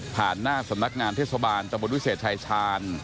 หน้าสำนักงานเทศบาลตะบนวิเศษชายชาญ